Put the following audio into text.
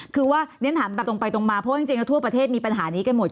คือว่าเน้นถามตรงไปตรงมาเพราะจริงทั่วประเทศมีปัญหานี้กันหมด